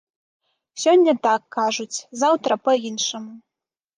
Сёння так кажуць, заўтра па-іншаму.